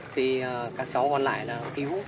thì các cháu còn lại là cứu